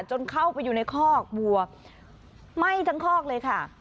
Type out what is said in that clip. จนเข้าไปอยู่ในคอกวัวไหม้ทั้งคอกเลยค่ะ